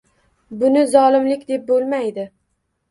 Buni zolimlik deb bo‘lmaydi.